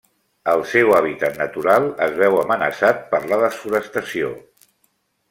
El seu hàbitat natural es veu amenaçat per la desforestació.